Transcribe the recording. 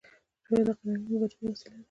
ژبه د قلمي مبارزې وسیله ده.